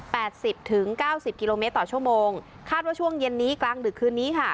สิบถึงเก้าสิบกิโลเมตรต่อชั่วโมงคาดว่าช่วงเย็นนี้กลางดึกคืนนี้ค่ะ